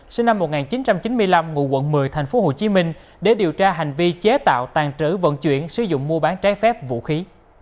sinh năm một nghìn chín trăm chín mươi năm ngụ quận một mươi tp hcm để điều tra hành vi chế tạo tàn trữ vận chuyển sử dụng mua bán trái phép vũ khí